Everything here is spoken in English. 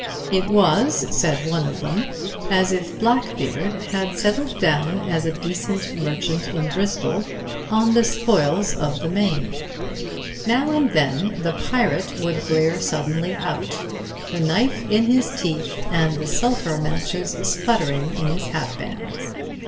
It was, said one of them, as if Blackbeard had settled down as a decent merchant in Bristol on the spoils of the Main. Now and then the pirate would glare suddenly out, the knife in his teeth and the sulphur matches sputtering in his hat band.